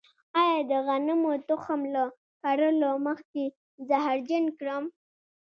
آیا د غنمو تخم له کرلو مخکې زهرجن کړم؟